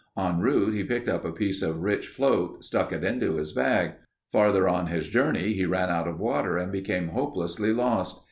En route he picked up a piece of rich float, stuck it into his bag. Farther on his journey he ran out of water and became hopelessly lost.